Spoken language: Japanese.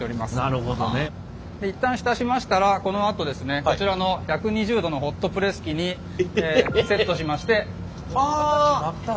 なるほどね。一旦浸しましたらこのあとですねこちらの１２０℃のホットプレス機にセットしまして徐々に曲げていきます。